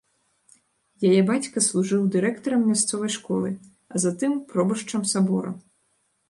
Яе бацька служыў дырэктарам мясцовай школы, а затым пробашчам сабора.